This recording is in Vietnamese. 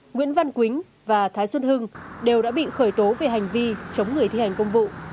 nguyễn văn quýnh và thái xuân hưng đều đã bị khởi tố về hành vi chống người thi hành công vụ